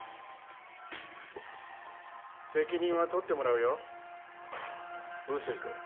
責任は取ってもらうよ碓井君。